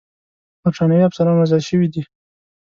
برټانوي افسران وژل شوي دي.